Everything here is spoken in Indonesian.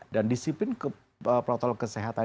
dan disiplin protokol kesehatan